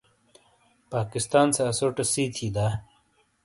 پاکستان سے اسوٹے سی تھی دا؟